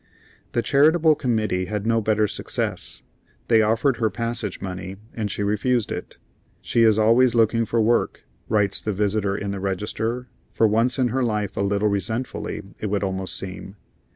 The charitable committee had no better success. They offered her passage money, and she refused it. "She is always looking for work," writes the visitor in the register, for once in her life a little resentfully, it would almost seem.